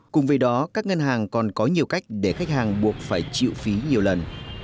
cùng với đó các ngân hàng còn có nhiều cách để khách hàng buộc phải chịu phí nhiều lần